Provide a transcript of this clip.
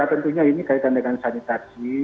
tentunya ini kaitan dengan sanitasi